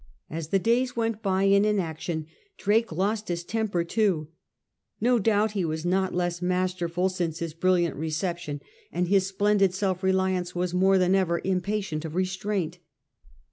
As the days went by in inaction Drake lost his temper too. No doubt he was not less masterful since his brilliant recep 94 SIR FRANCIS DRAKE chap. tion, and his splendid self reliance was more than ever impatient of restraint.